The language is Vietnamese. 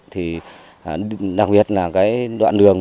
thì đặc biệt là cái đoạn đường